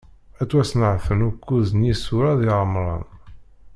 Ad d-ttwasneɛten ukkuẓ n yisura di Remḍan.